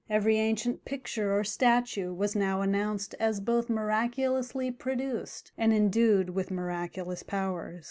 Every ancient picture or statue was now announced as both miraculously produced and endued with miraculous powers.